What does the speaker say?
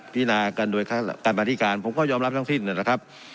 พินากันโดยการมาธิการผมก็ยอมรับทั้งสิ้นนะครับ